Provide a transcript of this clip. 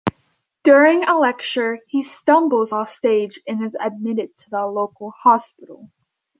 During a lecture, he stumbles offstage and is admitted to the local hospital.